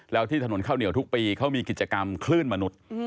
แล้วที่ถนนข้าวเหนียวทุกปีเขามีกิจกรรมคลื่นมนุษย์